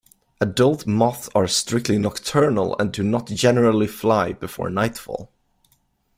Adult moths are strictly nocturnal and do not generally fly before nightfall.